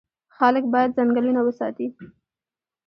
خلک باید ځنګلونه وساتي.